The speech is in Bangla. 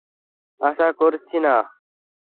আশা করছি, না!